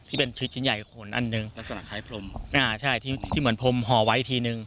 ที่เป็นชิ้นใหญ่ขนอันหนึ่งแล้วสนับไข้พรมอ่าใช่ที่เหมือนพรมห่อไว้ทีหนึ่ง